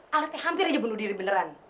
alatnya hampir saja membunuh diri beneran